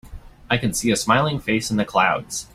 I can see a smiling face in the clouds.